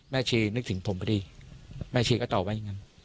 ชีนึกถึงผมพอดีแม่ชีก็ตอบว่าอย่างนั้น